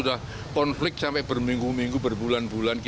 bagaimana pak ini tetap berjalan pak